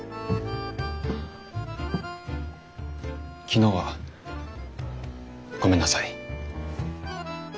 昨日はごめんなさい。